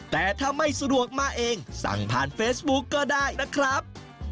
แต่ถ้าไม่สะดวกมาเองสั่งผ่านเฟซบุ๊คก็ได้นะครับ